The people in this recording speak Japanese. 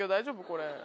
これ。